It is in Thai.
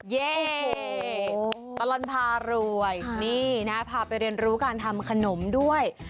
เย่ตลอดพารวยนี่นะพาไปเรียนรู้การทำขนมด้วย